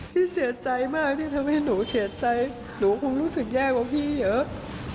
พี่เสียใจมากที่ทำให้หนูเสียใจหนูคงรู้สึกแย่กว่าพี่เยอะ